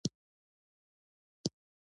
زه نهه ویشت ورځې وروسته د سفر لپاره چمتو کیږم.